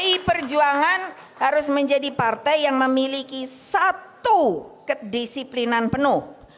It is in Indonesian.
pdi perjuangan harus menjadi partai yang memiliki satu kedisiplinan penuh